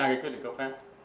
cái quyết định cấp khác